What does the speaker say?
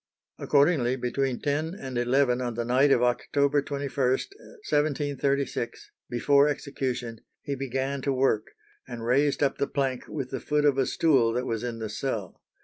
Accordingly, between ten and eleven on the night of October 21, 1736, before execution, he began to work, and raised up the plank with the foot of a stool that was in the cell.